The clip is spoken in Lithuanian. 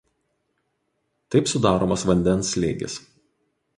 Taip sudaromas vandens slėgis.